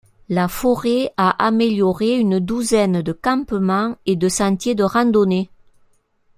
La forêt a amélioré une douzaine de campements et de sentiers de randonnée.